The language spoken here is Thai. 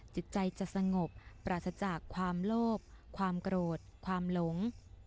จิตใจจะสงบปราศจากความโลภความโกรธความหลง